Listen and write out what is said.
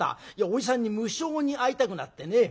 おじさんに無性に会いたくなってね。